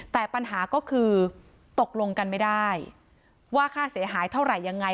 แต่ปัญหาก็คือตกลงกันไม่ได้ว่าค่าเสียหายเท่าไหร่ยังไง